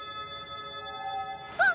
あっ！